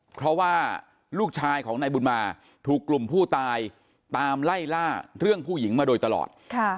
เพราะว่าลูกชายของนายบุญมาถูกกลุ่มผู้ตายตามไล่ล่าเรื่องผู้หญิงมาโดยตลอด